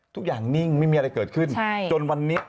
ทุกอย่างนิ่งไม่มีอะไรเกิดขึ้น